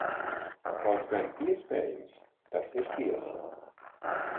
Kaut gan, iespējams, tas ir tiesa.